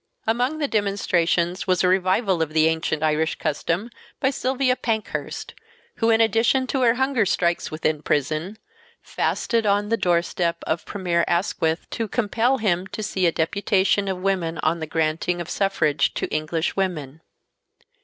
Among the demonstrations was a revival of the ancient Irish custom by Sylvia Pankhurst, who in addition to her hunger strikes within prison, "fasted on" the doorstep of Premier Asquith to compel him to see a deputation of women on the granting of suffrage to English women.